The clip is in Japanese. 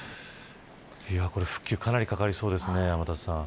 これは復旧かなりかかりそうですね。